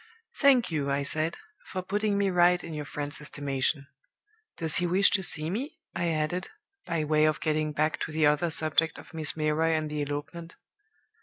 "'Thank you,' I said, 'for putting me right in your friend's estimation. Does he wish to see me?' I added, by way of getting back to the other subject of Miss Milroy and the elopement.